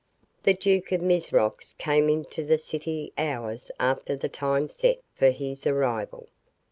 The Duke of Mizrox came into the city hours after the time set for his arrival.